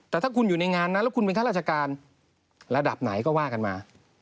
แต่ถ้าคุณอยู่ในงานนั้นแล้วคุณเป็นข้าราชการระดับไหนก็ว่ากันมา